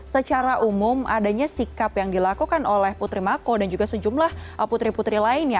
secara umum adanya sikap yang dilakukan oleh putri mako dan juga sejumlah putri putri lainnya